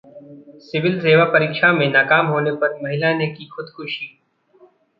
civil सेवा परीक्षा में नाकाम होने पर महिला ने की खुदकुशी